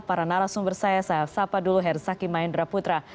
para narasumber saya saya sapa dulu hersaki maendra putra